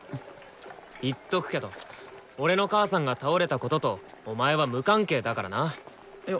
言っとくけど俺の母さんが倒れたこととお前は無関係だからな！よ